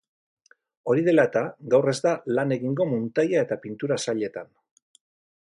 Hori dela eta, gaur ez da lan egingo muntaia eta pintura sailetan.